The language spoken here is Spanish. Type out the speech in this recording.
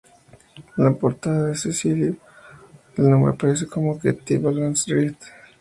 En portada del sencillo, el nombre aparece como "Get the Balance Right!